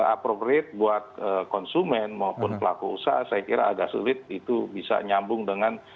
approve rate buat konsumen maupun pelaku usaha saya kira agak sulit itu bisa nyambung dengan